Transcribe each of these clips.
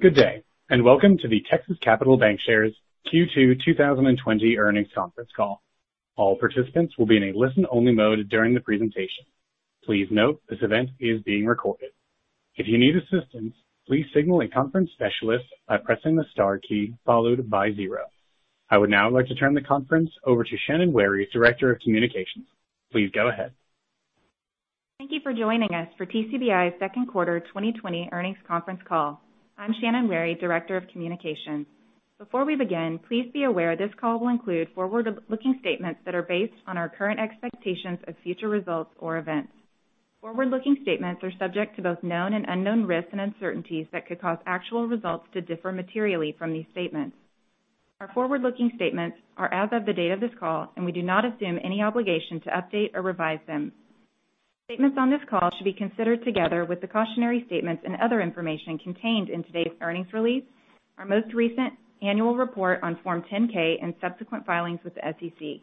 Good day, and welcome to the Texas Capital Bancshares Q2 2020 earnings conference call. All participants will be in a listen-only mode during the presentation. Please note this event is being recorded. If you need assistance, please signal a conference specialist by pressing the star key followed by zero. I would now like to turn the conference over to Shannon Wherry, Director of Communications. Please go ahead. Thank you for joining us for TCBI's second quarter 2020 earnings conference call. I'm Shannon Wherry, Director of Communications. Before we begin, please be aware this call will include forward-looking statements that are based on our current expectations of future results or events. Forward-looking statements are subject to both known and unknown risks and uncertainties that could cause actual results to differ materially from these statements. Our forward-looking statements are as of the date of this call, and we do not assume any obligation to update or revise them. Statements on this call should be considered together with the cautionary statements and other information contained in today's earnings release, our most recent annual report on Form 10-K and subsequent filings with the SEC.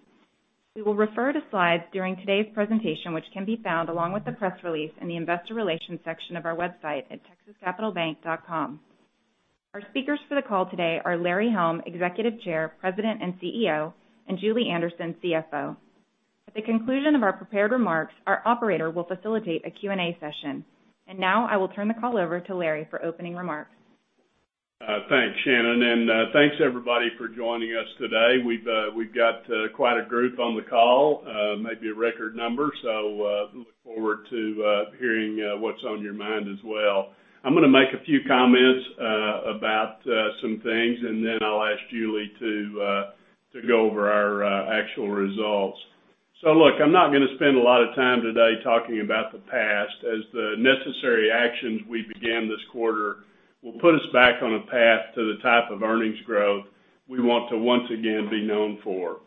We will refer to slides during today's presentation, which can be found along with the press release in the Investor Relations section of our website at texascapitalbank.com. Our speakers for the call today are Larry Helm, Executive Chair, President, and CEO, and Julie Anderson, CFO. At the conclusion of our prepared remarks, our operator will facilitate a Q&A session. Now I will turn the call over to Larry for opening remarks. Thanks, Shannon, and thanks everybody for joining us today. We've got quite a group on the call, maybe a record number. Look forward to hearing what's on your mind as well. I'm going to make a few comments about some things, and then I'll ask Julie to go over our actual results. Look, I'm not going to spend a lot of time today talking about the past, as the necessary actions we began this quarter will put us back on a path to the type of earnings growth we want to once again be known for.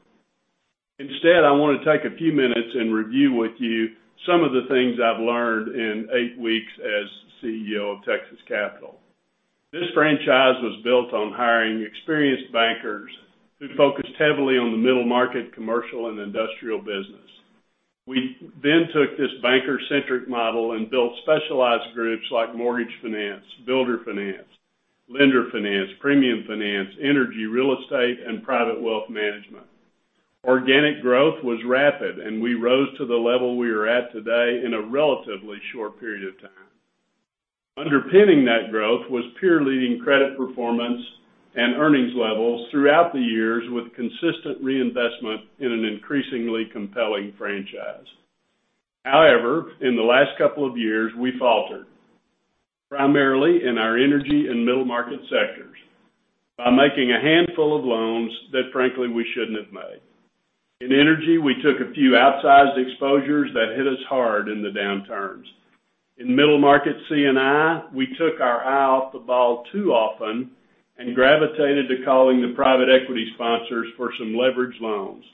Instead, I want to take a few minutes and review with you some of the things I've learned in eight weeks as CEO of Texas Capital. This franchise was built on hiring experienced bankers who focused heavily on the middle market, commercial, and industrial business. We took this banker-centric model and built specialized groups like mortgage finance, builder finance, lender finance, premium finance, energy, real estate, and private wealth management. Organic growth was rapid, and we rose to the level we are at today in a relatively short period of time. Underpinning that growth was peer-leading credit performance and earnings levels throughout the years with consistent reinvestment in an increasingly compelling franchise. However, in the last couple of years, we faltered, primarily in our energy and middle market sectors, by making a handful of loans that frankly we shouldn't have made. In energy, we took a few outsized exposures that hit us hard in the downturns. In middle market C&I, we took our eye off the ball too often and gravitated to calling the private equity sponsors for some leverage loans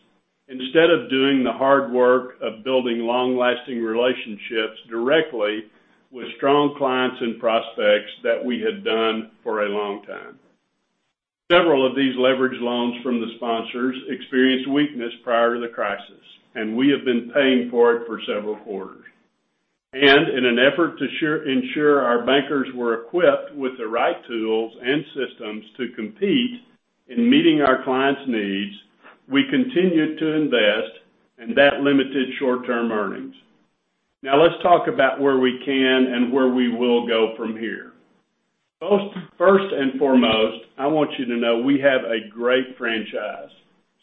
instead of doing the hard work of building long-lasting relationships directly with strong clients and prospects that we had done for a long time. Several of these leverage loans from the sponsors experienced weakness prior to the crisis, and we have been paying for it for several quarters. In an effort to ensure our bankers were equipped with the right tools and systems to compete in meeting our clients' needs, we continued to invest, and that limited short-term earnings. Now let's talk about where we can and where we will go from here. First and foremost, I want you to know we have a great franchise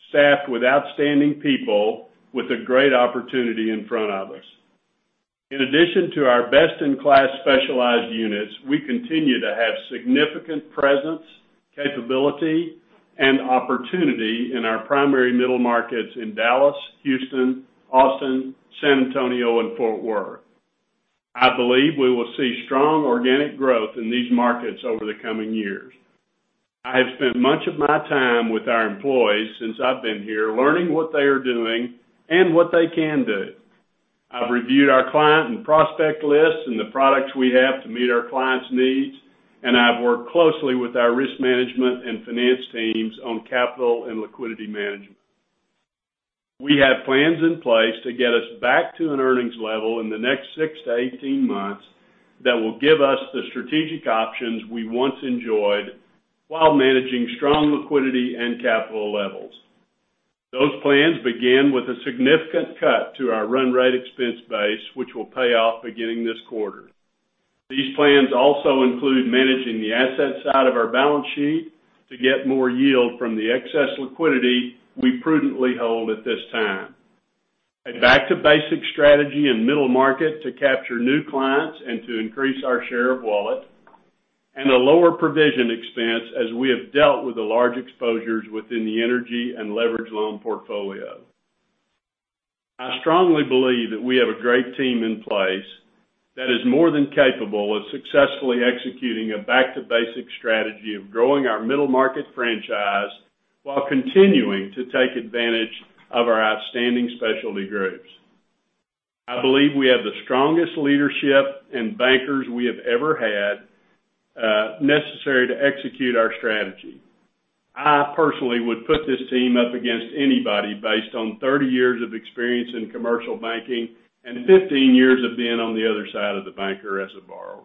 staffed with outstanding people with a great opportunity in front of us. In addition to our best-in-class specialized units, we continue to have significant presence, capability, and opportunity in our primary middle markets in Dallas, Houston, Austin, San Antonio, and Fort Worth. I believe we will see strong organic growth in these markets over the coming years. I have spent much of my time with our employees since I've been here learning what they are doing and what they can do. I've reviewed our client and prospect lists and the products we have to meet our clients' needs, and I've worked closely with our risk management and finance teams on capital and liquidity management. We have plans in place to get us back to an earnings level in the next six to 18 months that will give us the strategic options we once enjoyed while managing strong liquidity and capital levels. Those plans begin with a significant cut to our run rate expense base, which will pay off beginning this quarter. These plans also include managing the asset side of our balance sheet to get more yield from the excess liquidity we prudently hold at this time. A back-to-basics strategy in middle market to capture new clients and to increase our share of wallet, and a lower provision expense as we have dealt with the large exposures within the energy and leverage loan portfolio. I strongly believe that we have a great team in place that is more than capable of successfully executing a back-to-basics strategy of growing our middle market franchise while continuing to take advantage of our outstanding specialty groups. I believe we have the strongest leadership and bankers we have ever had necessary to execute our strategy. I personally would put this team up against anybody based on 30 years of experience in commercial banking and 15 years of being on the other side of the banker as a borrower.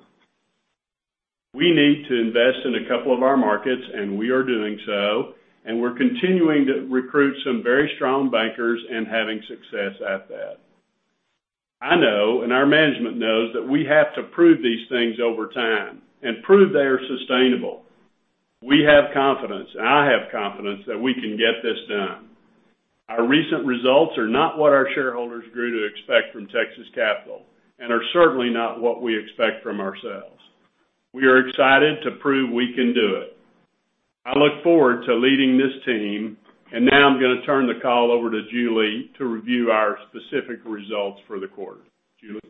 We need to invest in a couple of our markets, and we are doing so, and we're continuing to recruit some very strong bankers and having success at that. I know, and our management knows, that we have to prove these things over time and prove they are sustainable. We have confidence, and I have confidence that we can get this done. Our recent results are not what our shareholders grew to expect from Texas Capital, and are certainly not what we expect from ourselves. We are excited to prove we can do it. I look forward to leading this team. Now I'm going to turn the call over to Julie to review our specific results for the quarter. Julie?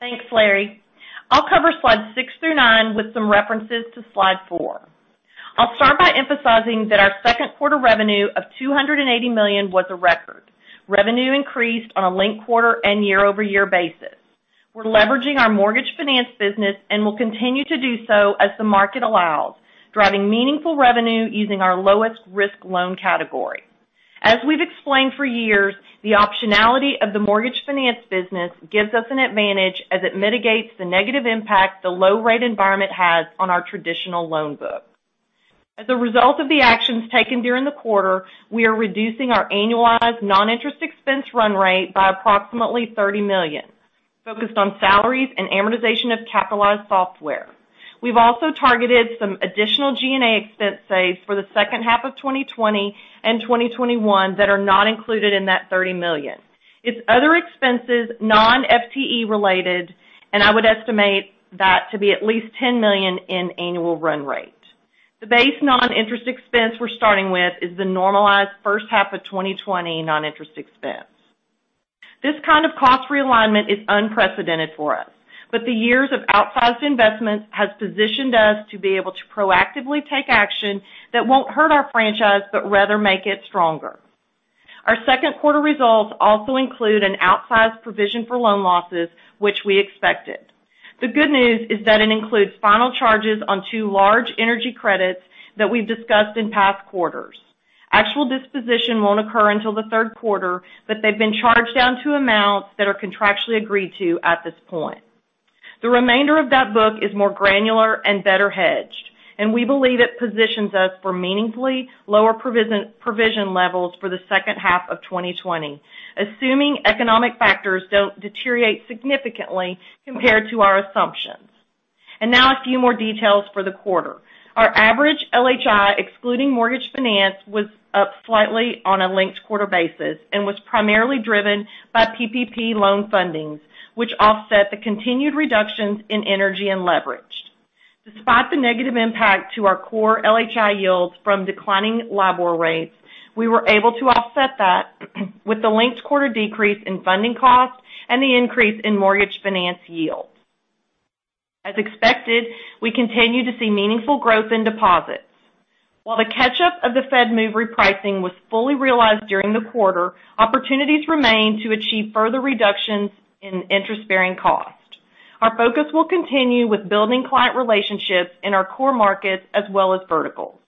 Thanks, Larry. I'll cover slides six through nine with some references to slide four. I'll start by emphasizing that our second quarter revenue of $280 million was a record. Revenue increased on a linked quarter and year-over-year basis. We're leveraging our mortgage finance business and will continue to do so as the market allows, driving meaningful revenue using our lowest risk loan category. As we've explained for years, the optionality of the mortgage finance business gives us an advantage as it mitigates the negative impact the low rate environment has on our traditional loan book. As a result of the actions taken during the quarter, we are reducing our annualized non-interest expense run rate by approximately $30 million, focused on salaries and amortization of capitalized software. We've also targeted some additional G&A expense saves for the second half of 2020 and 2021 that are not included in that $30 million. It's other expenses, non-FTE related. I would estimate that to be at least $10 million in annual run rate. The base non-interest expense we're starting with is the normalized first half of 2020 non-interest expense. This kind of cost realignment is unprecedented for us. The years of outsized investments has positioned us to be able to proactively take action that won't hurt our franchise, but rather make it stronger. Our second quarter results also include an outsized provision for loan losses, which we expected. The good news is that it includes final charges on two large energy credits that we've discussed in past quarters. Actual disposition won't occur until the third quarter, but they've been charged down to amounts that are contractually agreed to at this point. The remainder of that book is more granular and better hedged. We believe it positions us for meaningfully lower provision levels for the second half of 2020, assuming economic factors don't deteriorate significantly compared to our assumptions. Now a few more details for the quarter. Our average LHI, excluding mortgage finance, was up slightly on a linked quarter basis and was primarily driven by PPP loan fundings, which offset the continued reductions in energy and leverage. Despite the negative impact to our core LHI yields from declining LIBOR rates, we were able to offset that with the linked quarter decrease in funding costs and the increase in mortgage finance yields. As expected, we continue to see meaningful growth in deposits. While the catch-up of the Fed move repricing was fully realized during the quarter, opportunities remain to achieve further reductions in interest-bearing costs. Our focus will continue with building client relationships in our core markets as well as verticals.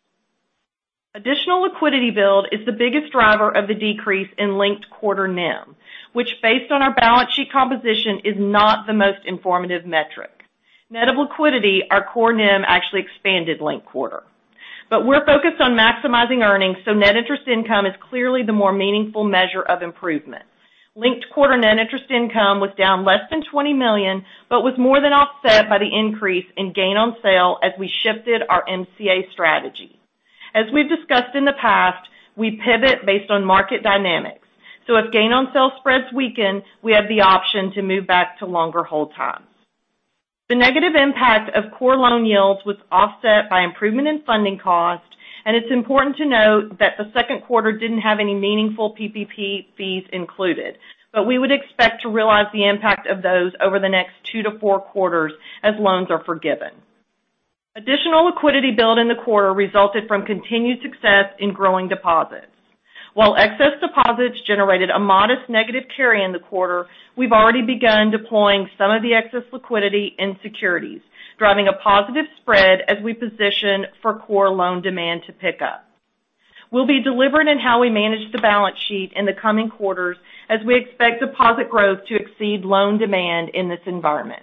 Additional liquidity build is the biggest driver of the decrease in linked quarter NIM, which based on our balance sheet composition, is not the most informative metric. Net of liquidity, our core NIM actually expanded linked quarter. We're focused on maximizing earnings, net interest income is clearly the more meaningful measure of improvement. Linked quarter net interest income was down less than $20 million, was more than offset by the increase in gain on sale as we shifted our MCA strategy. As we've discussed in the past, we pivot based on market dynamics. If gain on sale spreads weaken, we have the option to move back to longer hold times. The negative impact of core loan yields was offset by improvement in funding costs. It's important to note that the second quarter didn't have any meaningful PPP fees included. We would expect to realize the impact of those over the next 2 to 4 quarters as loans are forgiven. Additional liquidity build in the quarter resulted from continued success in growing deposits. While excess deposits generated a modest negative carry in the quarter, we've already begun deploying some of the excess liquidity in securities, driving a positive spread as we position for core loan demand to pick up. We'll be deliberate in how we manage the balance sheet in the coming quarters as we expect deposit growth to exceed loan demand in this environment.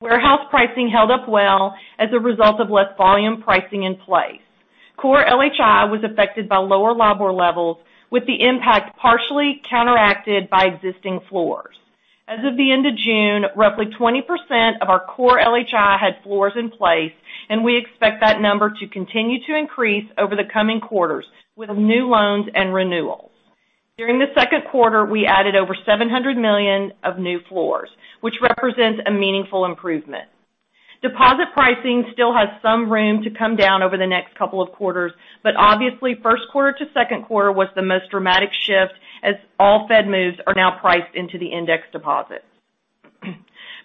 Warehouse pricing held up well as a result of less volume pricing in place. Core LHI was affected by lower LIBOR levels, with the impact partially counteracted by existing floors. As of the end of June, roughly 20% of our core LHI had floors in place, and we expect that number to continue to increase over the coming quarters with new loans and renewals. During the second quarter, we added over $700 million of new floors, which represents a meaningful improvement. Deposit pricing still has some room to come down over the next couple of quarters, obviously first quarter to second quarter was the most dramatic shift, as all Fed moves are now priced into the index deposits.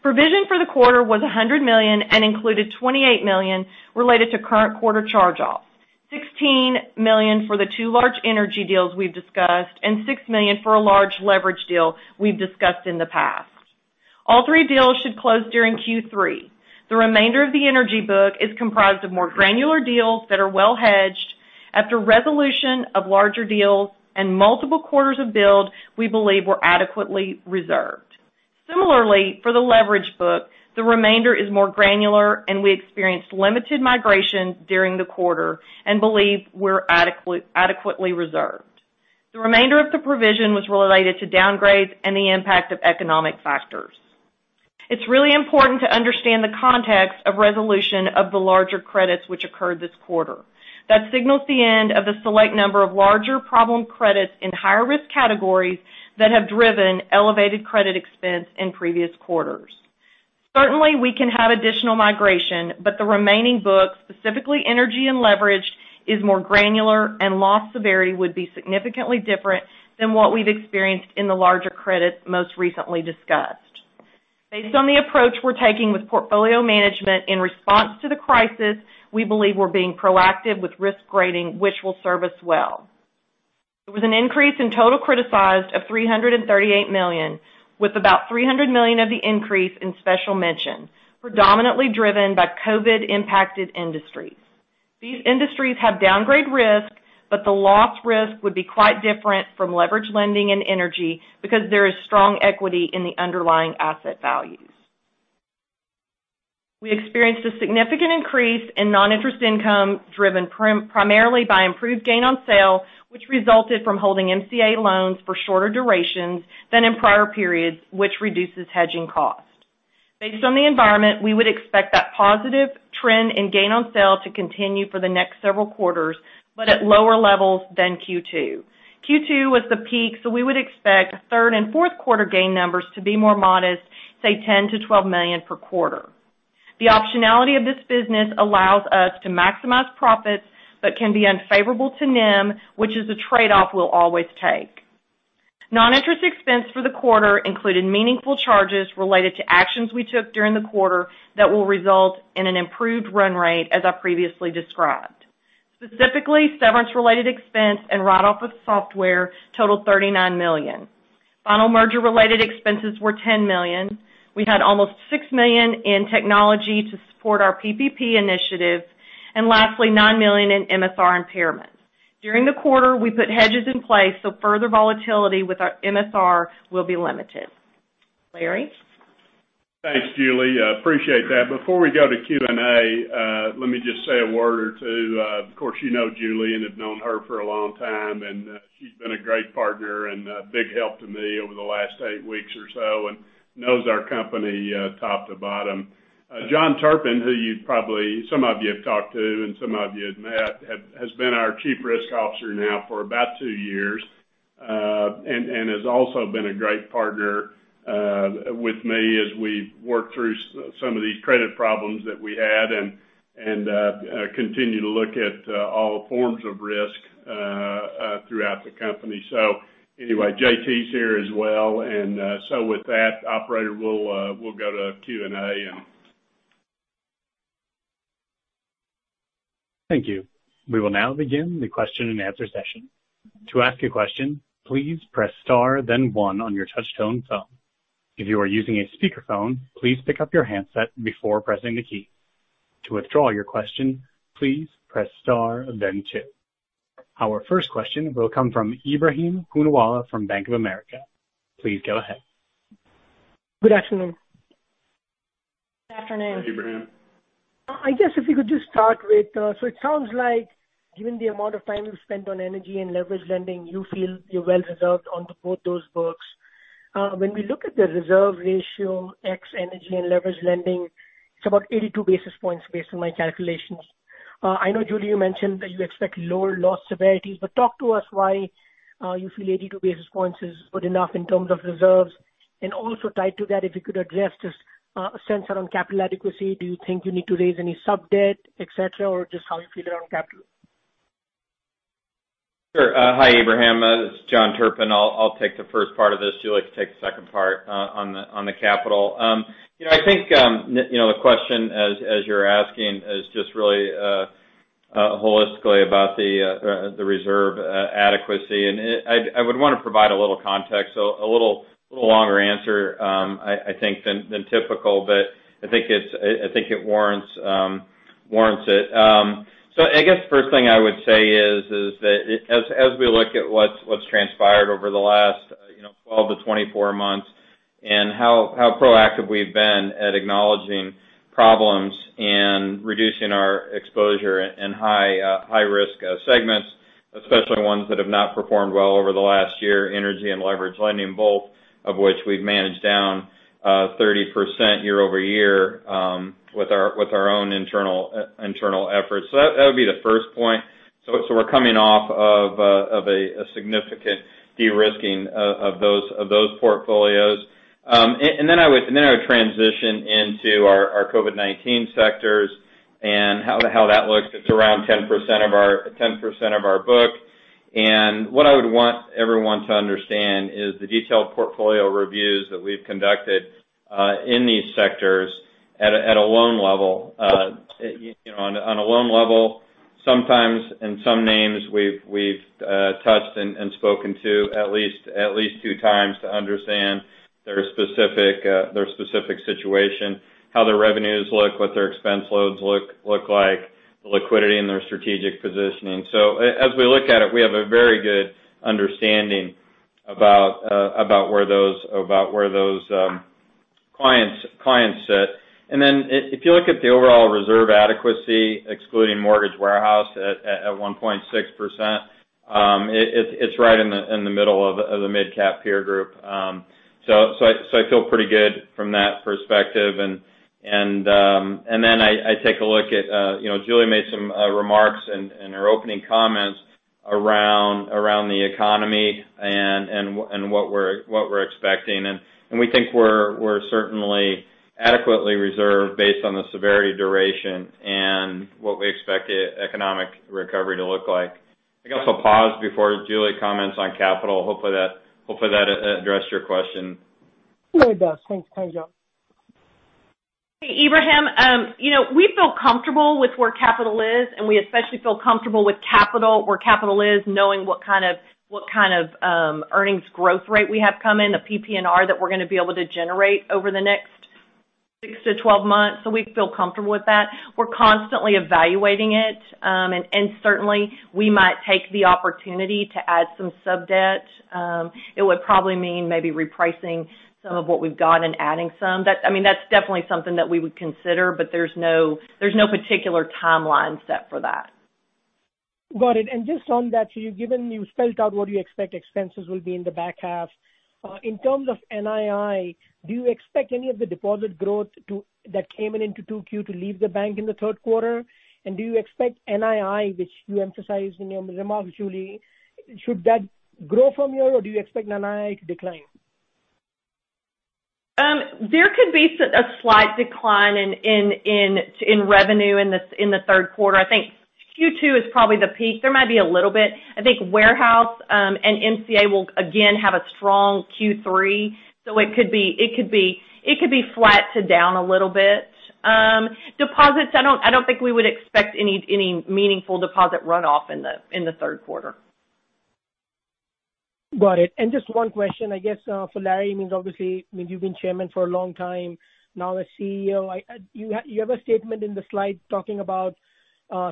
Provision for the quarter was $100 million and included $28 million related to current quarter charge-offs, $16 million for the two large energy deals we've discussed, and $6 million for a large leverage deal we've discussed in the past. All three deals should close during Q3. The remainder of the energy book is comprised of more granular deals that are well hedged after resolution of larger deals and multiple quarters of build, we believe we're adequately reserved. Similarly, for the leverage book, the remainder is more granular and we experienced limited migration during the quarter and believe we're adequately reserved. The remainder of the provision was related to downgrades and the impact of economic factors. It's really important to understand the context of resolution of the larger credits which occurred this quarter. That signals the end of a select number of larger problem credits in higher risk categories that have driven elevated credit expense in previous quarters. Certainly, we can have additional migration, but the remaining book, specifically energy and leverage, is more granular and loss severity would be significantly different than what we've experienced in the larger credits most recently discussed. Based on the approach we're taking with portfolio management in response to the crisis, we believe we're being proactive with risk grading, which will serve us well. There was an increase in total criticized of $338 million, with about $300 million of the increase in special mention, predominantly driven by COVID-impacted industries. These industries have downgrade risk, but the loss risk would be quite different from leverage lending and energy because there is strong equity in the underlying asset values. We experienced a significant increase in non-interest income, driven primarily by improved gain on sale, which resulted from holding MCA loans for shorter durations than in prior periods, which reduces hedging cost. Based on the environment, we would expect that positive trend in gain on sale to continue for the next several quarters, but at lower levels than Q2. Q2 was the peak. We would expect third and fourth quarter gain numbers to be more modest, say $10 million to $12 million per quarter. The optionality of this business allows us to maximize profits, but can be unfavorable to NIM, which is a trade-off we'll always take. Non-interest expense for the quarter included meaningful charges related to actions we took during the quarter that will result in an improved run rate, as I previously described. Specifically, severance related expense and write-off of software totaled $39 million. Final merger related expenses were $10 million. We had almost $6 million in technology to support our PPP initiative. Lastly, $9 million in MSR impairment. During the quarter, we put hedges in place, so further volatility with our MSR will be limited. Larry. Thanks, Julie. I appreciate that. Before we go to Q&A, let me just say a word or two. Of course, you know Julie and have known her for a long time, and she's been a great partner and a big help to me over the last eight weeks or so, and knows our company top to bottom. John Turpen, who some of you have talked to and some of you have met, has been our Chief Risk Officer now for about two years. Has also been a great partner with me as we've worked through some of these credit problems that we had and continue to look at all forms of risk throughout the company. Anyway, JT's here as well, with that, operator, we'll go to Q&A. Thank you. We will now begin the question and answer session. To ask a question, please press star then one on your touch tone phone. If you are using a speakerphone, please pick up your handset before pressing the key. To withdraw your question, please press star then two. Our first question will come from Ebrahim Poonawala from Bank of America. Please go ahead. Good afternoon. Good afternoon. Hi, Ebrahim. I guess if you could just start with, it sounds like given the amount of time you've spent on energy and leverage lending, you feel you're well reserved onto both those books. When we look at the reserve ratio, ex energy and leverage lending, it's about 82 basis points based on my calculations. I know, Julie, you mentioned that you expect lower loss severity, talk to us why you feel 82 basis points is good enough in terms of reserves. Also tied to that, if you could address just a sense around capital adequacy. Do you think you need to raise any sub-debt, et cetera, or just how you feel around capital? Sure. Hi Ebrahim, it's John Turpen. I'll take the first part of this. Julie can take the second part on the capital. I think the question as you're asking is just really holistically about the reserve adequacy. I would want to provide a little context, so a little longer answer I think than typical, but I think it warrants it. I guess first thing I would say is that as we look at what's transpired over the last 12 to 24 months and how proactive we've been at acknowledging problems and reducing our exposure in high risk segments, especially ones that have not performed well over the last year, energy and leverage lending, both of which we've managed down 30% year-over-year with our own internal efforts. That would be the first point. We're coming off of a significant de-risking of those portfolios. Then I would transition into our COVID-19 sectors and how that looks. It's around 10% of our book. What I would want everyone to understand is the detailed portfolio reviews that we've conducted in these sectors at a loan level. Sometimes in some names we've touched and spoken to at least two times to understand their specific situation, how their revenues look, what their expense loads look like, the liquidity and their strategic positioning. As we look at it, we have a very good understanding about where those clients sit. If you look at the overall reserve adequacy, excluding mortgage warehouse at 1.6%, it's right in the middle of the mid-cap peer group. I feel pretty good from that perspective. I take a look at, Julie made some remarks in her opening comments around the economy and what we're expecting, and we think we're certainly adequately reserved based on the severity duration and what we expect the economic recovery to look like. I guess I'll pause before Julie comments on capital. Hopefully that addressed your question. It does. Thanks, John. Hey, Ebrahim. We feel comfortable with where capital is, we especially feel comfortable with where capital is, knowing what kind of earnings growth rate we have coming, the PPNR that we're going to be able to generate over the next six to 12 months. We feel comfortable with that. We're constantly evaluating it. Certainly, we might take the opportunity to add some sub-debt. It would probably mean maybe repricing some of what we've got and adding some. That's definitely something that we would consider, there's no particular timeline set for that. Got it. Just on that, given you spelled out what you expect expenses will be in the back half. In terms of NII, do you expect any of the deposit growth that came in into 2Q to leave the bank in the third quarter? Do you expect NII, which you emphasized in your remarks, Julie, should that grow from here, or do you expect NII to decline? There could be a slight decline in revenue in the third quarter. I think Q2 is probably the peak. There might be a little bit. I think warehouse, and MCA will again have a strong Q3. It could be flat to down a little bit. Deposits, I don't think we would expect any meaningful deposit runoff in the third quarter. Got it. Just one question, I guess, for Larry. I mean, obviously, you've been chairman for a long time, now as CEO. You have a statement in the slide talking about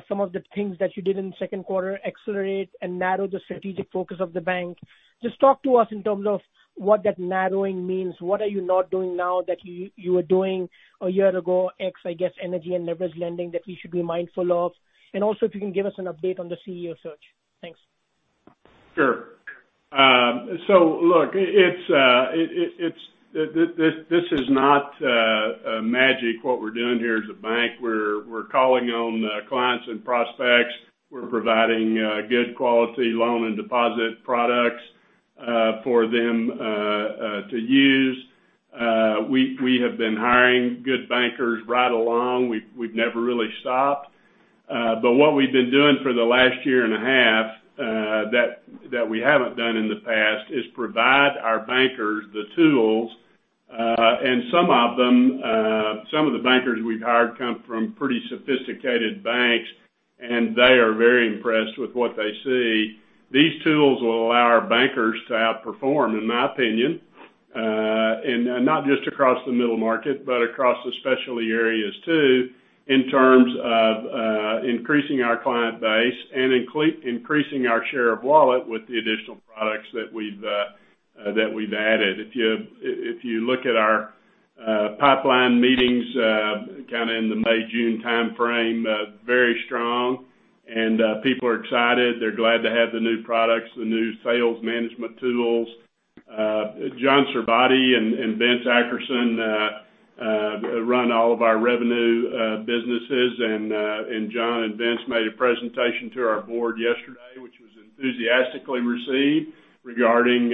some of the things that you did in the second quarter, accelerate and narrow the strategic focus of the bank. Just talk to us in terms of what that narrowing means. What are you not doing now that you were doing a year ago? Ex, I guess, energy and leveraged lending that we should be mindful of. Also, if you can give us an update on the CEO search. Thanks. Sure. Look, this is not magic, what we're doing here as a bank. We're calling on clients and prospects. We're providing good quality loan and deposit products for them to use. We have been hiring good bankers right along. We've never really stopped. What we've been doing for the last year and a half, that we haven't done in the past is provide our bankers the tools. Some of them, some of the bankers we've hired come from pretty sophisticated banks, and they are very impressed with what they see. These tools will allow our bankers to outperform, in my opinion, and not just across the middle market, but across the specialty areas too, in terms of increasing our client base and increasing our share of wallet with the additional products that we've added. If you look at our pipeline meetings kind of in the May, June timeframe, very strong, and people are excited. They're glad to have the new products, the new sales management tools. John Sarvadi and Vince Ackerson run all of our revenue businesses. John and Vince made a presentation to our board yesterday, which was enthusiastically received, regarding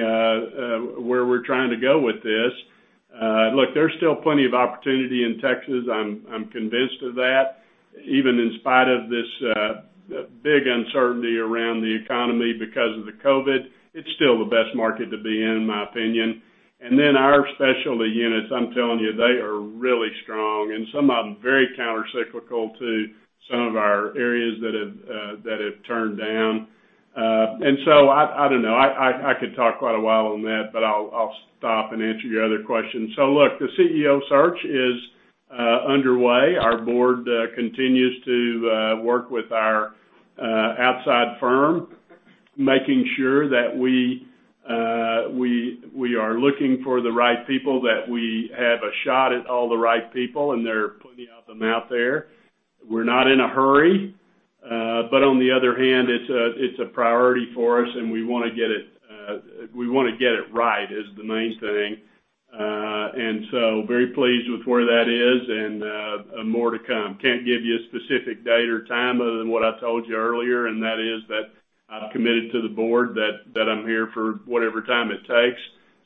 where we're trying to go with this. Look, there's still plenty of opportunity in Texas. I'm convinced of that. Even in spite of this big uncertainty around the economy because of the COVID, it's still the best market to be in my opinion. Our specialty units, I'm telling you, they are really strong, and some of them very countercyclical to some of our areas that have turned down. I don't know. I could talk quite a while on that, but I'll stop and answer your other questions. Look, the CEO search is underway. Our board continues to work with our outside firm, making sure that we are looking for the right people, that we have a shot at all the right people, and there are plenty of them out there. We're not in a hurry. On the other hand, it's a priority for us, and we want to get it right, is the main thing. Very pleased with where that is and more to come. Can't give you a specific date or time other than what I told you earlier, and that is that I've committed to the board that I'm here for whatever time it takes,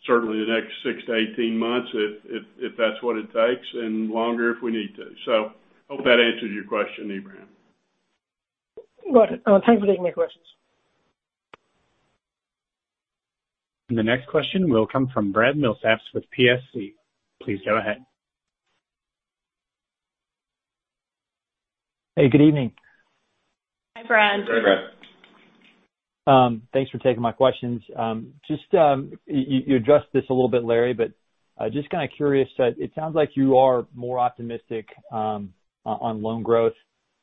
certainly the next 6-18 months, if that's what it takes, and longer if we need to. Hope that answers your question, Ebrahim. Got it. Thanks for taking my questions. The next question will come from Brad Milsaps with PSC. Please go ahead. Hey, good evening. Hi, Brad. Hey, Brad. Thanks for taking my questions. You addressed this a little bit, Larry, but just kind of curious that it sounds like you are more optimistic on loan growth.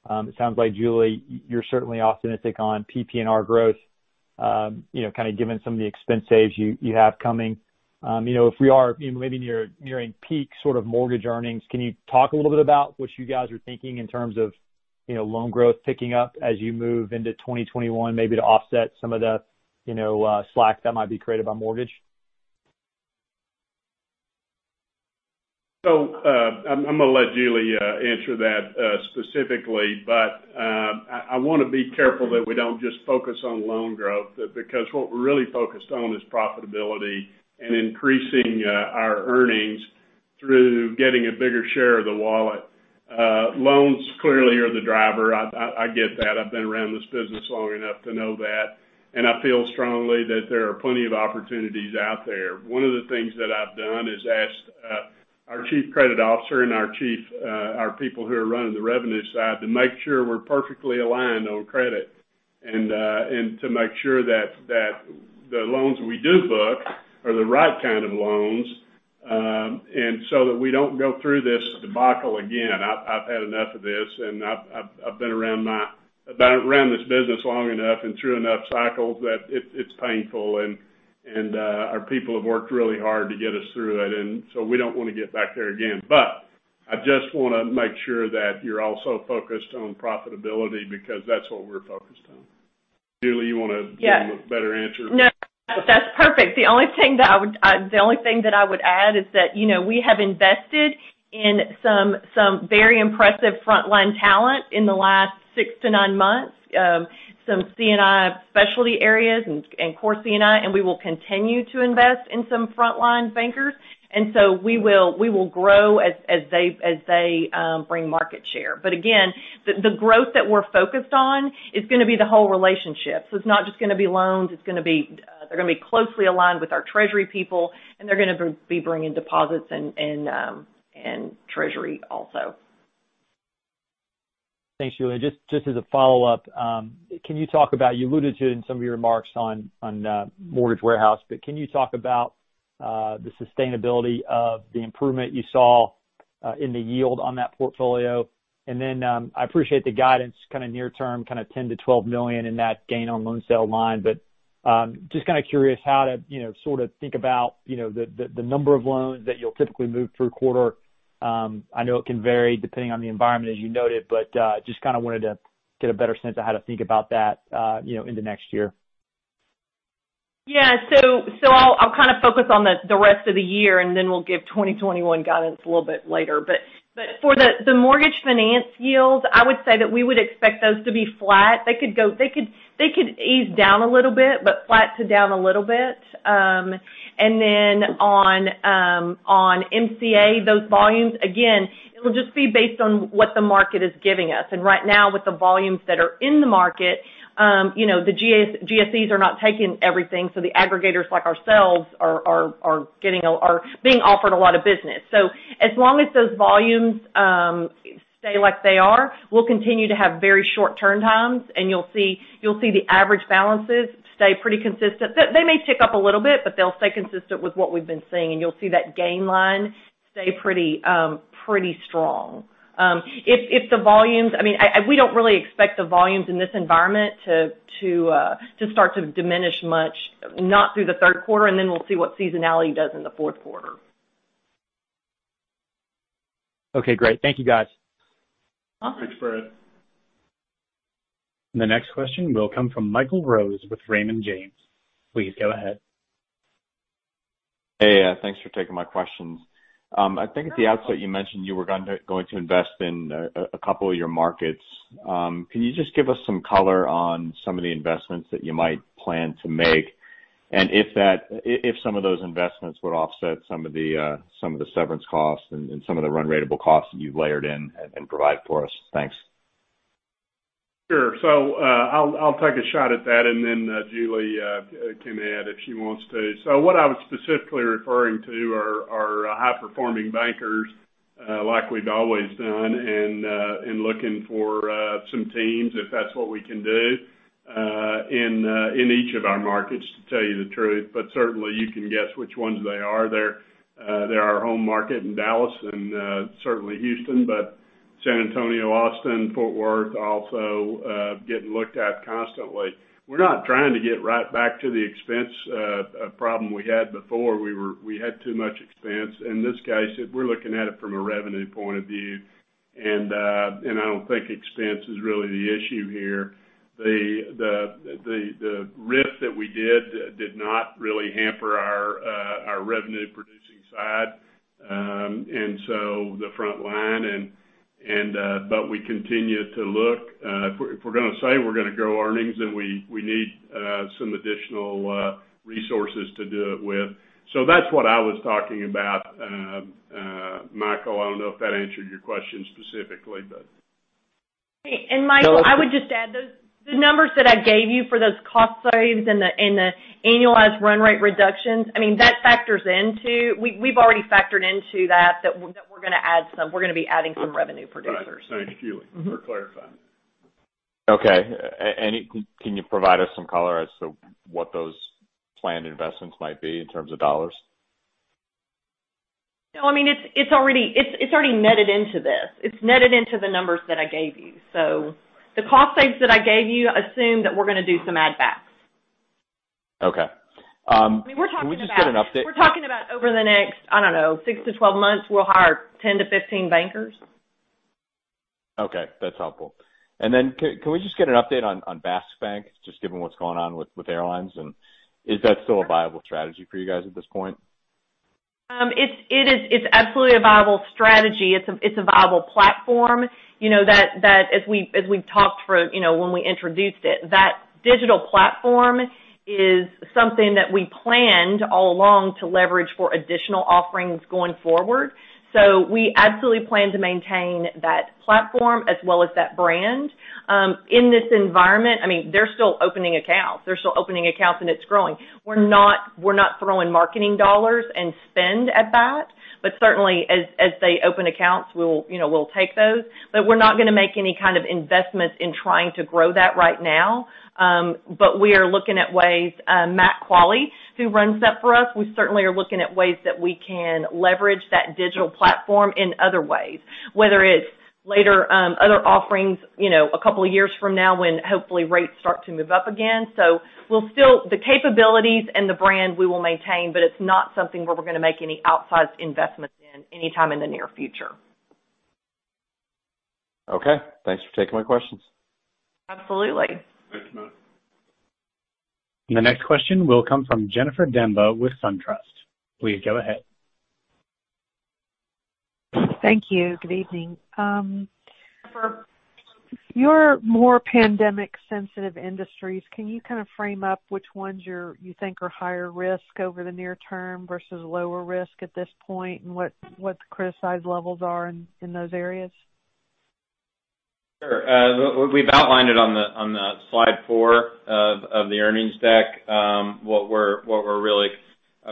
It sounds like, Julie, you're certainly optimistic on PPNR growth, kind of given some of the expense saves you have coming. If we are maybe nearing peak sort of mortgage earnings, can you talk a little bit about what you guys are thinking in terms of loan growth picking up as you move into 2021, maybe to offset some of the slack that might be created by mortgage? I'm going to let Julie answer that specifically. I want to be careful that we don't just focus on loan growth, because what we're really focused on is profitability and increasing our earnings through getting a bigger share of the wallet. Loans clearly are the driver. I get that. I've been around this business long enough to know that, and I feel strongly that there are plenty of opportunities out there. One of the things that I've done is asked our chief credit officer and our people who are running the revenue side to make sure we're perfectly aligned on credit, and to make sure that the loans we do book are the right kind of loans, and so that we don't go through this debacle again. I've had enough of this. I've been around this business long enough and through enough cycles that it's painful. Our people have worked really hard to get us through it. We don't want to get back there again. I just want to make sure that you're also focused on profitability, because that's what we're focused on. Julie, you want to give them a better answer? No, that's perfect. The only thing that I would add is that we have invested in some very impressive frontline talent in the last six to nine months, some C&I specialty areas and core C&I. We will continue to invest in some frontline bankers. We will grow as they bring market share. The growth that we're focused on is going to be the whole relationship. It's not just going to be loans. They're going to be closely aligned with our treasury people, and they're going to be bringing deposits and treasury also. Thanks, Julie. Just as a follow-up, you alluded to it in some of your remarks on Mortgage Warehouse, but can you talk about the sustainability of the improvement you saw in the yield on that portfolio? I appreciate the guidance kind of near term, kind of $10 million-$12 million in that gain on loan sale line. Just kind of curious how to sort of think about the number of loans that you'll typically move through a quarter. I know it can vary depending on the environment, as you noted, but just kind of wanted to get a better sense of how to think about that in the next year. I'll kind of focus on the rest of the year, and then we'll give 2021 guidance a little bit later. For the mortgage finance yields, I would say that we would expect those to be flat. They could ease down a little bit, but flat to down a little bit. On MCA, those volumes, again, it'll just be based on what the market is giving us. Right now, with the volumes that are in the market, the GSEs are not taking everything, so the aggregators like ourselves are being offered a lot of business. As long as those volumes stay like they are, we'll continue to have very short turn times, and you'll see the average balances stay pretty consistent. They may tick up a little bit, they'll stay consistent with what we've been seeing, and you'll see that gain line stay pretty strong. We don't really expect the volumes in this environment to start to diminish much, not through the third quarter, then we'll see what seasonality does in the fourth quarter. Okay, great. Thank you, guys. Awesome. Thanks, Brad. The next question will come from Michael Rose with Raymond James. Please go ahead. Hey, thanks for taking my questions. I think at the outset, you mentioned you were going to invest in a couple of your markets. Can you just give us some color on some of the investments that you might plan to make, and if some of those investments would offset some of the severance costs and some of the run ratable costs that you've layered in and provide for us? Thanks. Sure. I'll take a shot at that, and then Julie can add if she wants to. What I was specifically referring to are high-performing bankers, like we've always done, and looking for some teams, if that's what we can do, in each of our markets, to tell you the truth. Certainly, you can guess which ones they are. They're our home market in Dallas and certainly Houston. San Antonio, Austin, Fort Worth, also getting looked at constantly. We're not trying to get right back to the expense problem we had before. We had too much expense. In this case, we're looking at it from a revenue point of view, and I don't think expense is really the issue here. The RIF that we did not really hamper our revenue-producing side. The front line, but we continue to look. If we're going to say we're going to grow earnings, then we need some additional resources to do it with. That's what I was talking about, Michael. I don't know if that answered your question specifically. Mike, I would just add, the numbers that I gave you for those cost saves and the annualized run rate reductions, we've already factored into that we're going to be adding some revenue producers. Right. Thanks, Julie, for clarifying. Okay. Can you provide us some color as to what those planned investments might be in terms of dollars? No, it's already netted into this. It's netted into the numbers that I gave you. The cost saves that I gave you assume that we're going to do some add backs. Okay. Can we just get an update? We're talking about over the next, I don't know, six to 12 months, we'll hire 10 to 15 bankers. Okay, that's helpful. Can we just get an update on Bask Bank, just given what's going on with airlines? Is that still a viable strategy for you guys at this point? It's absolutely a viable strategy. It's a viable platform. As we've talked when we introduced it, that digital platform is something that we planned all along to leverage for additional offerings going forward. We absolutely plan to maintain that platform as well as that brand. In this environment, they're still opening accounts. They're still opening accounts and it's growing. We're not throwing marketing dollars and spend at that, but certainly, as they open accounts, we'll take those. We're not going to make any kind of investments in trying to grow that right now. We are looking at ways, Matt Quale, who runs that for us, we certainly are looking at ways that we can leverage that digital platform in other ways, whether it's later other offerings a couple of years from now when hopefully rates start to move up again. The capabilities and the brand we will maintain, but it's not something where we're going to make any outsized investments in anytime in the near future. Okay. Thanks for taking my questions. Absolutely. Thanks, Matt. The next question will come from Jennifer Demba with SunTrust. Please go ahead. Thank you. Good evening. For your more pandemic sensitive industries, can you kind of frame up which ones you think are higher risk over the near term versus lower risk at this point, and what the criticized levels are in those areas? Sure. We've outlined it on slide four of the earnings deck, what we're really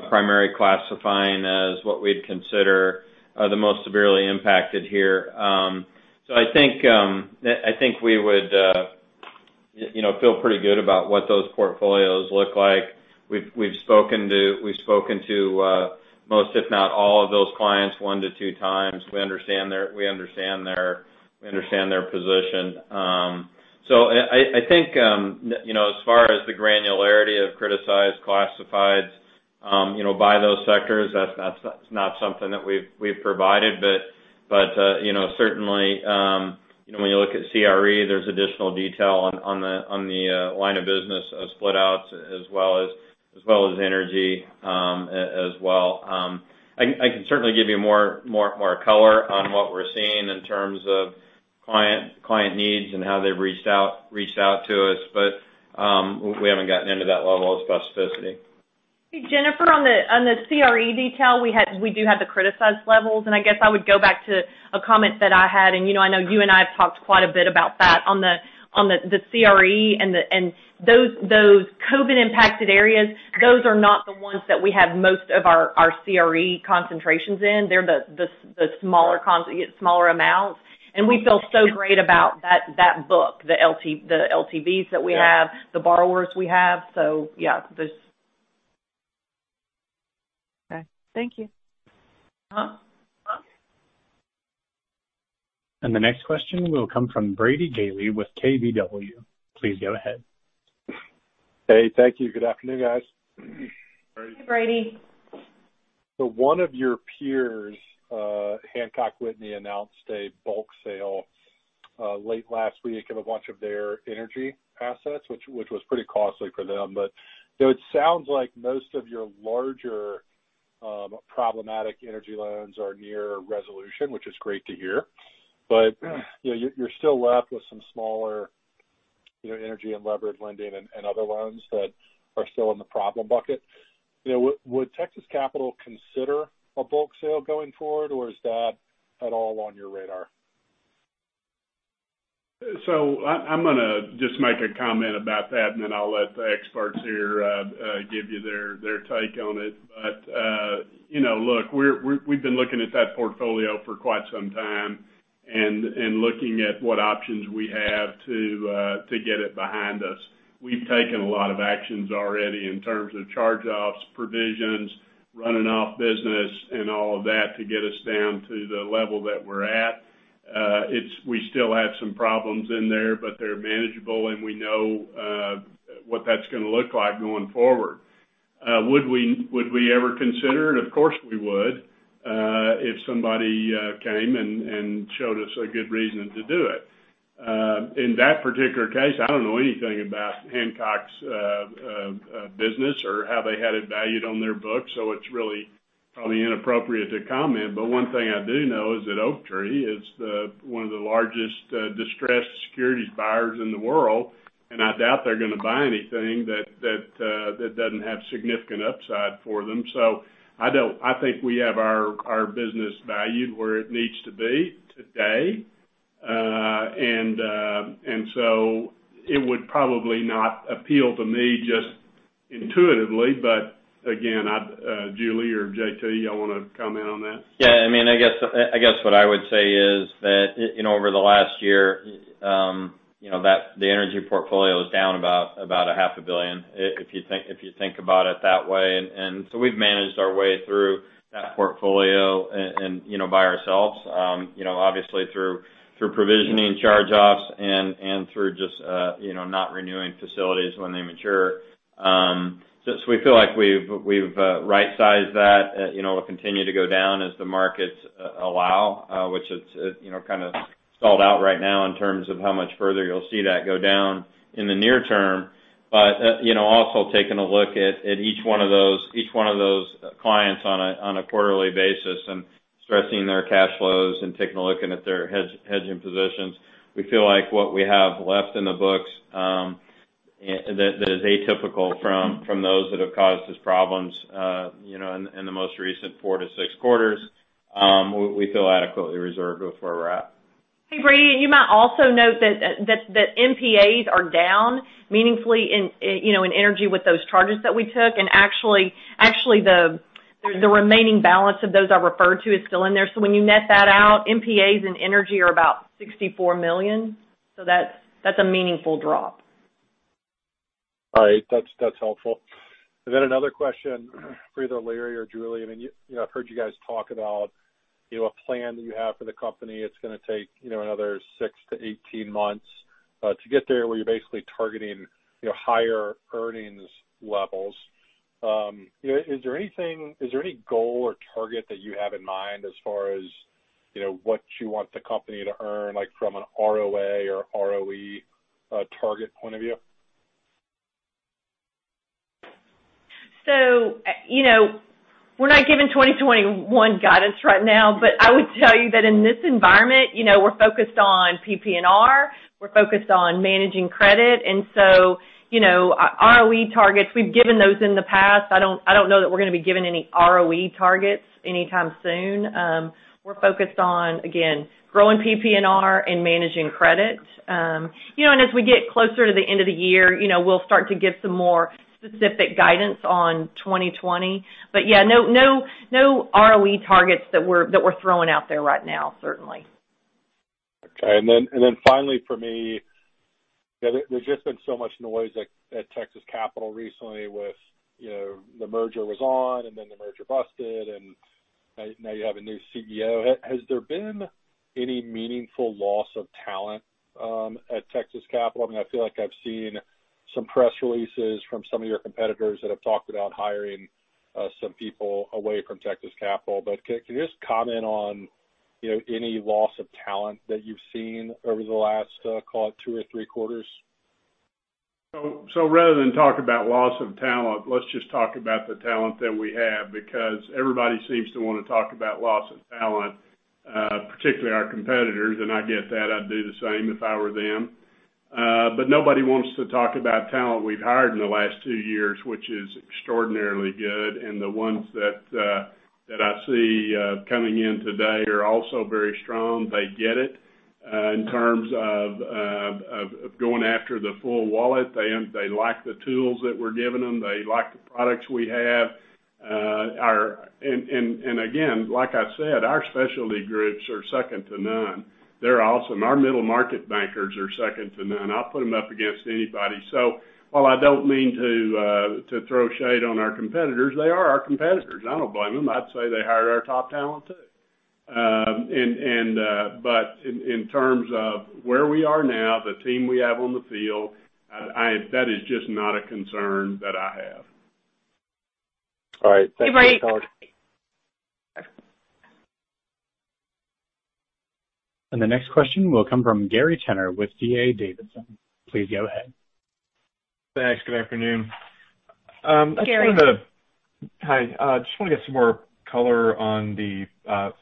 primary classifying as what we'd consider are the most severely impacted here. I think we would feel pretty good about what those portfolios look like. We've spoken to most, if not all, of those clients one to two times. We understand their position. I think as far as the granularity of criticized classifieds by those sectors, that's not something that we've provided. Certainly, when you look at CRE, there's additional detail on the line of business of split outs as well as energy as well. I can certainly give you more color on what we're seeing in terms of client needs and how they've reached out to us. We haven't gotten into that level of specificity. Jennifer, on the CRE detail, we do have the criticized levels, and I guess I would go back to a comment that I had, and I know you and I have talked quite a bit about that. On the CRE and those COVID impacted areas, those are not the ones that we have most of our CRE concentrations in. They're the smaller amounts. We feel so great about that book, the LTVs that we have. Yeah. The borrowers we have. Okay. Thank you. The next question will come from Brady Gailey with KBW. Please go ahead. Hey, thank you. Good afternoon, guys. Hey, Brady. One of your peers, Hancock Whitney, announced a bulk sale late last week of a bunch of their energy assets, which was pretty costly for them. It sounds like most of your larger problematic energy loans are near resolution, which is great to hear. You're still left with some smaller energy and leverage lending and other loans that are still in the problem bucket. Would Texas Capital consider a bulk sale going forward, or is that at all on your radar? I'm going to just make a comment about that, and then I'll let the experts here give you their take on it. Look, we've been looking at that portfolio for quite some time and looking at what options we have to get it behind us. We've taken a lot of actions already in terms of charge-offs, provisions, running off business, and all of that to get us down to the level that we're at. We still have some problems in there, but they're manageable, and we know what that's going to look like going forward. Would we ever consider it? Of course, we would if somebody came and showed us a good reason to do it. In that particular case, I don't know anything about Hancock's business or how they had it valued on their books, so it's really probably inappropriate to comment. One thing I do know is that Oaktree is one of the largest distressed securities buyers in the world, and I doubt they're going to buy anything that doesn't have significant upside for them. I think we have our business valued where it needs to be today. It would probably not appeal to me just intuitively, but again, Julie or JT, y'all want to comment on that? Yeah, I guess what I would say is that in over the last year, the energy portfolio is down about a half a billion, if you think about it that way. We've managed our way through that portfolio by ourselves. Obviously through provisioning charge-offs and through just not renewing facilities when they mature. We feel like we've right-sized that. It'll continue to go down as the markets allow, which it's kind of stalled out right now in terms of how much further you'll see that go down in the near term. Also taking a look at each one of those clients on a quarterly basis and stressing their cash flows and taking a look at their hedging positions. We feel like what we have left in the books, that is atypical from those that have caused us problems in the most recent four to six quarters. We feel adequately reserved with where we're at. Hey, Brady, you might also note that NPAs are down meaningfully in energy with those charges that we took, and actually the remaining balance of those I referred to is still in there. When you net that out, NPAs in energy are about $64 million, so that's a meaningful drop. All right. That's helpful. Another question for either Larry or Julie. I've heard you guys talk about a plan that you have for the company. It's going to take another 6-18 months, to get there, where you're basically targeting higher earnings levels. Is there any goal or target that you have in mind as far as what you want the company to earn, like from an ROA or ROE target point of view? We're not giving 2021 guidance right now. I would tell you that in this environment, we're focused on PPNR, we're focused on managing credit, and so, ROE targets, we've given those in the past. I don't know that we're going to be giving any ROE targets anytime soon. We're focused on, again, growing PPNR and managing credit. As we get closer to the end of the year, we'll start to give some more specific guidance on 2020. Yeah, no ROE targets that we're throwing out there right now, certainly. Okay. Finally for me, there's just been so much noise at Texas Capital recently with the merger was on and then the merger busted, and now you have a new CEO. Has there been any meaningful loss of talent, at Texas Capital? I feel like I've seen some press releases from some of your competitors that have talked about hiring some people away from Texas Capital. Can you just comment on any loss of talent that you've seen over the last, call it two or three quarters? Rather than talk about loss of talent, let's just talk about the talent that we have, because everybody seems to want to talk about loss of talent, particularly our competitors, and I get that. I'd do the same if I were them. Nobody wants to talk about talent we've hired in the last two years, which is extraordinarily good. The ones that I see coming in today are also very strong. They get it, in terms of going after the full wallet. They like the tools that we're giving them. They like the products we have. Again, like I said, our specialty groups are second to none. They're awesome. Our middle market bankers are second to none. I'll put them up against anybody. While I don't mean to throw shade on our competitors, they are our competitors. I don't blame them. I'd say they hired our top talent too. In terms of where we are now, the team we have on the field, that is just not a concern that I have. All right. Thanks. Hey, Brady. The next question will come from Gary Tenner with D.A. Davidson. Please go ahead. Thanks. Good afternoon. Gary. Hi. Just want to get some more color on the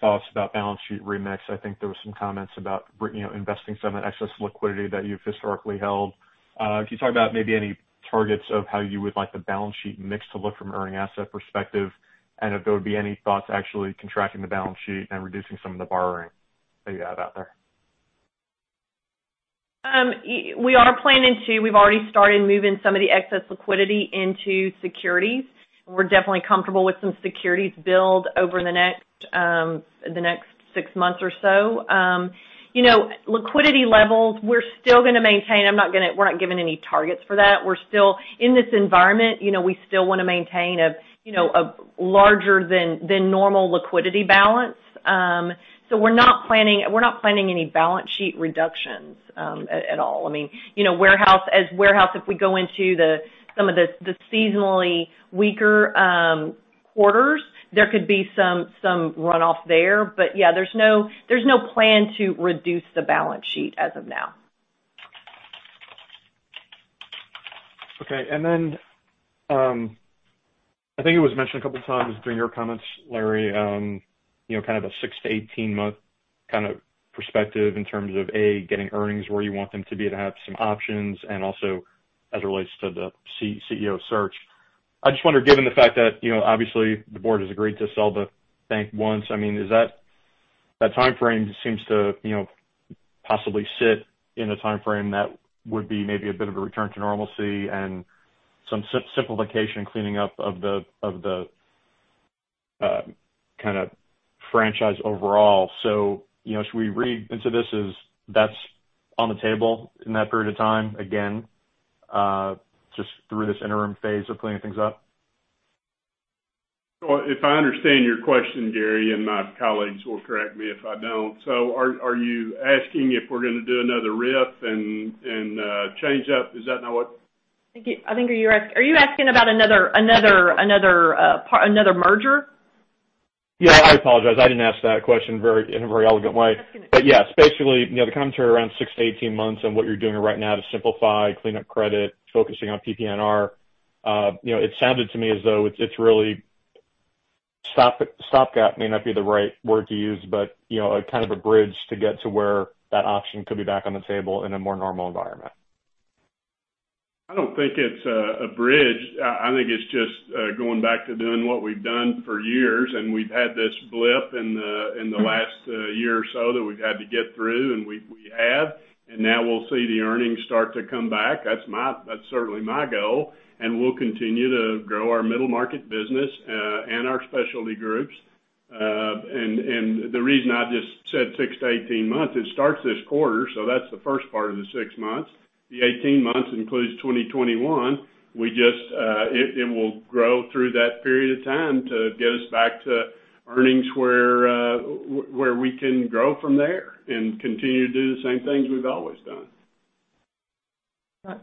thoughts about balance sheet remix. I think there was some comments about investing some excess liquidity that you've historically held. Can you talk about maybe any targets of how you would like the balance sheet mix to look from an earning asset perspective? If there would be any thoughts actually contracting the balance sheet and reducing some of the borrowing that you have out there? We are planning to. We've already started moving some of the excess liquidity into securities. We're definitely comfortable with some securities build over the next six months or so. Liquidity levels, we're still going to maintain. We're not giving any targets for that. In this environment, we still want to maintain a larger than normal liquidity balance. We're not planning any balance sheet reductions at all. As warehouse, if we go into some of the seasonally weaker quarters, there could be some runoff there. There's no plan to reduce the balance sheet as of now. Okay. Then, I think it was mentioned a couple of times during your comments, Larry, kind of a six to 18-month kind of perspective in terms of, A, getting earnings where you want them to be to have some options, and also as it relates to the CEO search. I just wonder, given the fact that obviously the board has agreed to sell the bank once, That timeframe seems to possibly sit in the timeframe that would be maybe a bit of a return to normalcy and some simplification cleaning up of the franchise overall. Should we read into this as that's on the table in that period of time, again, just through this interim phase of cleaning things up? If I understand your question, Gary, and my colleagues will correct me if I don't. Are you asking if we're going to do another RIF and change up? Is that not what? I think are you asking about another merger? Yeah. I apologize. I didn't ask that question in a very elegant way. Yes, basically, the commentary around 6-18 months and what you're doing right now to simplify, clean up credit, focusing on PPNR. It sounded to me as though it's really, stopgap may not be the right word to use, but kind of a bridge to get to where that option could be back on the table in a more normal environment. I don't think it's a bridge. I think it's just going back to doing what we've done for years, and we've had this blip in the last year or so that we've had to get through, and we have. Now we'll see the earnings start to come back. That's certainly my goal, and we'll continue to grow our middle market business, and our specialty groups. The reason I just said 6 to 18 months, it starts this quarter, so that's the first part of the 6 months. The 18 months includes 2021. It will grow through that period of time to get us back to earnings where we can grow from there and continue to do the same things we've always done.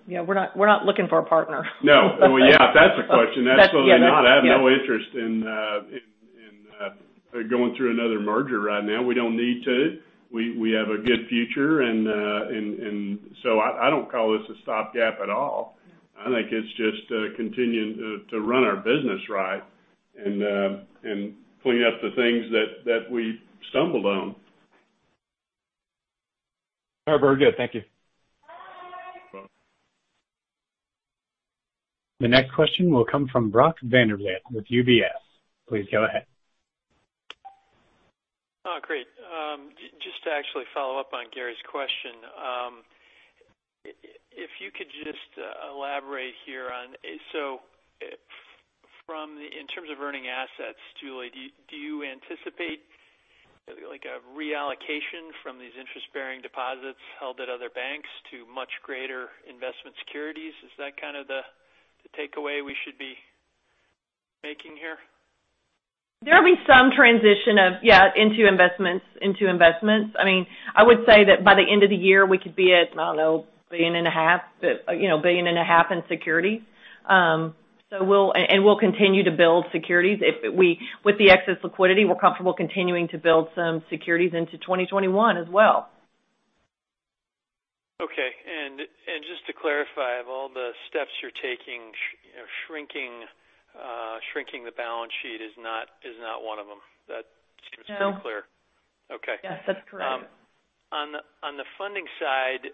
Yeah, we're not looking for a partner. No. Well, yeah, if that's a question, absolutely not. I have no interest in going through another merger right now. We don't need to. We have a good future. I don't call this a stopgap at all. I think it's just continuing to run our business right and clean up the things that we stumbled on. All right. Very good. Thank you. Bye. You're welcome. The next question will come from Brock Vandervliet with UBS. Please go ahead. Oh, great. Just to actually follow up on Gary's question. If you could just elaborate here so in terms of earning assets, Julie, do you anticipate a reallocation from these interest-bearing deposits held at other banks to much greater investment securities? Is that kind of the takeaway we should be making here? There'll be some transition of, yeah, into investments. I would say that by the end of the year, we could be at, I don't know, $a billion and a half in securities. We'll continue to build securities. With the excess liquidity, we're comfortable continuing to build some securities into 2021 as well. Okay. Just to clarify, of all the steps you're taking, shrinking the balance sheet is not one of them. That seems pretty clear. No. Okay. Yes, that's correct. On the funding side,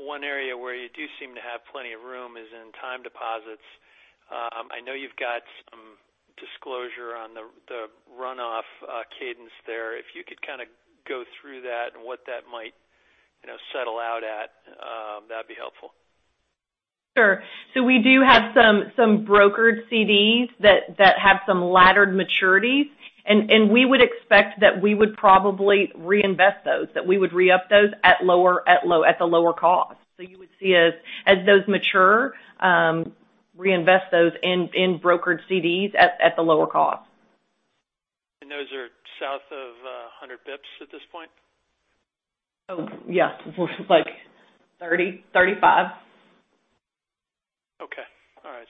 one area where you do seem to have plenty of room is in time deposits. I know you've got some disclosure on the runoff cadence there. If you could kind of go through that and what that might settle out at, that'd be helpful. Sure. We do have some brokered CDs that have some laddered maturities, and we would expect that we would probably reinvest those, that we would re-up those at the lower cost. You would see as those mature, reinvest those in brokered CDs at the lower cost. Those are south of 100 basis points at this point? Oh, yeah. More like 30, 35. Okay. All right,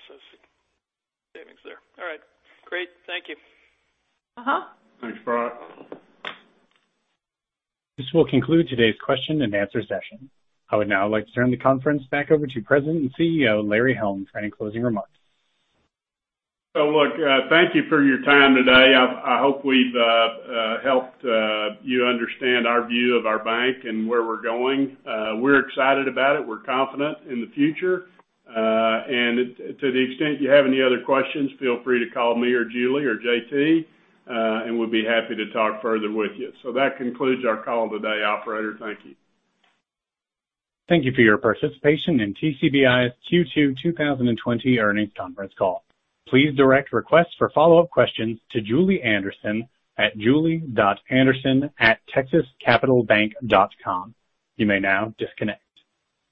savings there. All right, great. Thank you. Thanks, Brock. This will conclude today's question and answer session. I would now like to turn the conference back over to President and CEO, Larry Helm, for any closing remarks. Look, thank you for your time today. I hope we've helped you understand our view of our bank and where we're going. We're excited about it. We're confident in the future. To the extent you have any other questions, feel free to call me or Julie or JT, and we'll be happy to talk further with you. That concludes our call today. Operator, thank you. Thank you for your participation in TCBI's Q2 2020 earnings conference call. Please direct requests for follow-up questions to Julie Anderson at julie.anderson@texascapitalbank.com. You may now disconnect.